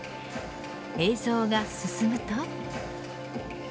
映像が進むと。